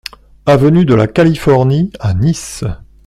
Avenue de la Californie à Nice